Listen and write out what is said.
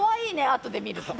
あとで見ると。